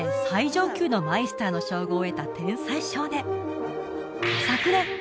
最上級のマイスターの称号を得た天才少年